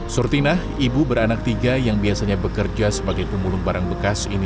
surtinah ibu beranak tiga yang biasanya bekerja sebagai pembulung barang bekas ini